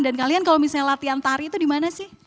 kalian kalau misalnya latihan tari itu dimana sih